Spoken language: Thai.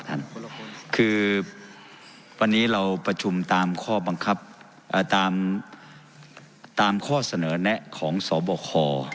คือวันนี้เราประชุมตามข้อบังคับตามตามข้อเสนอแนะของสบค